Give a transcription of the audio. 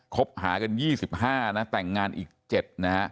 คบหากัน๒๕นะแต่งงานอีก๗นะฮะ